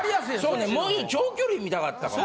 そうね長距離見たかったから。